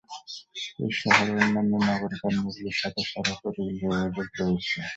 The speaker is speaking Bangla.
এই শহরে অন্যান্য নগর কেন্দ্রগুলির সাথে সড়ক ও রেল যোগাযোগ রয়েছে।